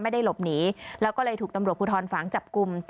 ไม่ได้หลบหนีแล้วก็เลยถูกตำรวจภูทรฝางจับกลุ่ม